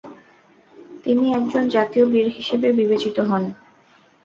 তিনি একজন জাতীয় বীর হিসেবে বিবেচিত হন।